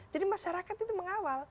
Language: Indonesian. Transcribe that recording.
jadi masyarakat itu mengawal